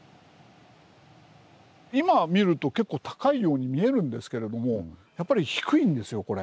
今見ると結構高いように見えるんですけれどもやっぱり低いんですよこれ。